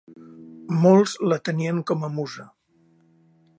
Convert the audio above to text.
Molts la tenien com a musa.